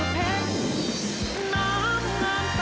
ถอยครับ